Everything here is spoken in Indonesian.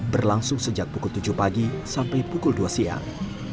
berlangsung sejak pukul tujuh pagi sampai pukul dua siang